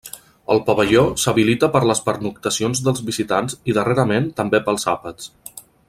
El pavelló s'habilita per les pernoctacions dels visitants i darrerament també pels àpats.